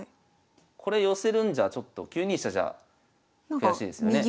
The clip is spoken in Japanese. これ寄せるんじゃちょっと９二飛車じゃ悔しいですよね。